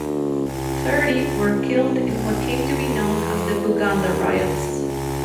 Thirty were killed in what came to be known as the Buganda riots.